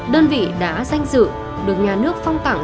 đơn vị đã danh dự được nhà nước phong tặng